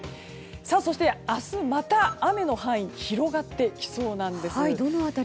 そして、明日また雨の範囲広がってきそうなんです。